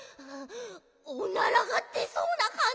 オナラがでそうなかんじ。